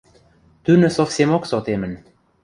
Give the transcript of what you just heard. Тӱнӹ совсемок сотемын.